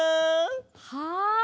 はい！